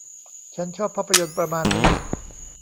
ฉันชอบภาพยนตร์ประมาณนี้